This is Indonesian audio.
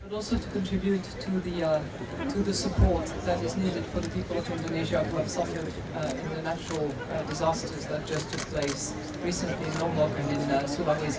tapi juga untuk memberikan bantuan yang diperlukan oleh orang indonesia